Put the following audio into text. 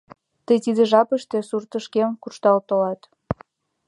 Тый тиде жапыште суртышкем куржтал толат.